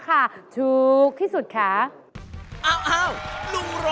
ข้อนี้เหนื่อย